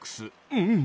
うん！